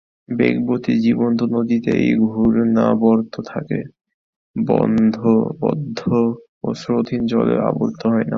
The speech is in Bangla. বেগবতী জীবন্ত নদীতেই ঘূর্ণাবর্ত থাকে, বদ্ধ ও স্রোতহীন জলে আবর্ত হয় না।